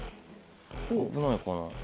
危ないかな？